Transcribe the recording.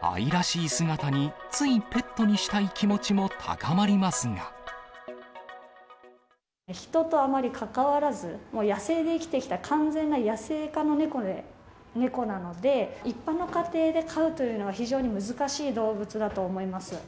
愛らしい姿についペットにし人とあまり関わらず、野生で生きてきた、完全な野生化の猫なので、一般の家庭で飼うというのは、非常に難しい動物だと思います。